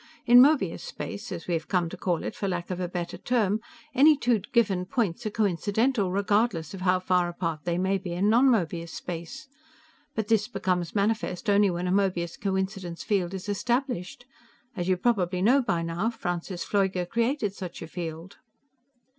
In Möbius space as we have come to call it for lack of a better term any two given points are coincidental, regardless of how far apart they may be in non Möbius space. But this becomes manifest only when a Möbius coincidence field is established. As you probably know by now, Francis Pfleuger created such a field."